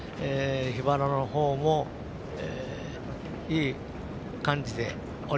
腹のほうもいい感じで。